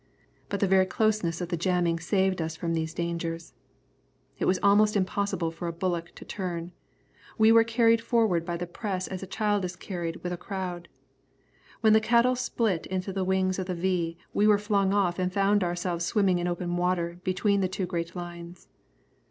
But the very closeness of the jamming saved us from these dangers. It was almost impossible for a bullock to turn. We were carried forward by the press as a child is carried with a crowd. When the cattle split into the wings of the V, we were flung off and found ourselves swimming in open water between the two great lines.